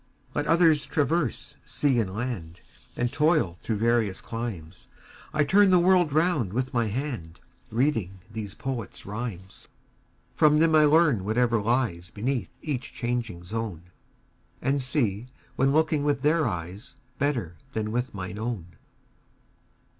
Let others traverse sea and land, And toil through various climes, 30 I turn the world round with my hand Reading these poets' rhymes. From them I learn whatever lies Beneath each changing zone, And see, when looking with their eyes, 35 Better than with mine own.